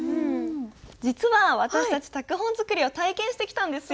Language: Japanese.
実は私たち拓本作りを体験してきたんですよ。